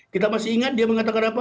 kita masih ingat dia mengatakan apa